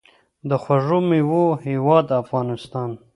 د خوږو میوو هیواد افغانستان.